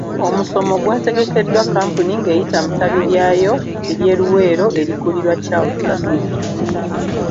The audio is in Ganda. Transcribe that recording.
Omusomo gwategekeddwa kkampuni ng’eyita mu ttabi lyayo erye Luweero erikulirwa Charles Kasujja.